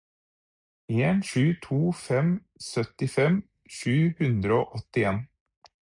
en sju to fem syttifem sju hundre og åttien